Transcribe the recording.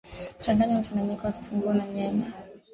changanya mchanganyiko wa kitunguu na nyanya